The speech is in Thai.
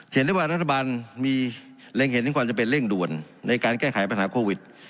เห็นได้ว่ารัฐบาลมีเล็งเห็นถึงความจำเป็นเร่งด่วนในการแก้ไขปัญหาโควิด